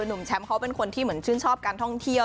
หนุ่มแชมป์เขาเป็นคนที่เหมือนชื่นชอบการท่องเที่ยว